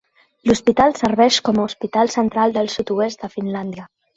L'hospital serveix com a hospital central del sud-oest de Finlàndia.